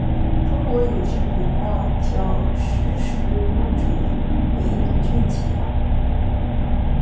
中国有句古话，叫“识时务者为俊杰”。